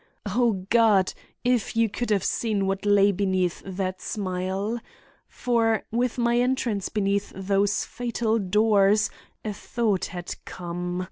O God! if you could have seen what lay beneath that smile! For, with my entrance beneath those fatal doors a thought had come.